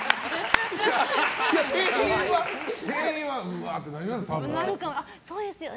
店員は、うわってなりますよ。